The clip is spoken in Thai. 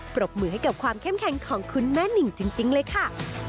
ปรบมือให้กับความเข้มแข็งของคุณแม่นิ่งจริงเลยค่ะ